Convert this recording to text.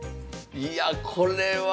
いやこれは。